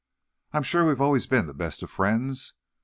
I'm sure we've always been the best friends.